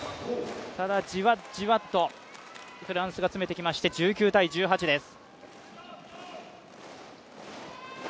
ただじわじわとフランスが詰めてきまして１９−１８です。